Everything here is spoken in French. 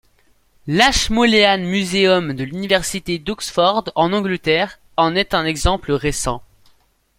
L’Ashmolean Museum de l’Université d’Oxford, en Angleterre, en est un exemple récent.